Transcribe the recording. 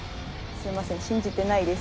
すみません信じてないです。